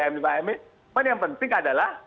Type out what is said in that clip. tiga m lima m tapi yang penting adalah